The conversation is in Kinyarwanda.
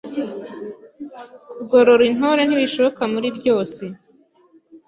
Kugorora Intore ntibishoka muri byose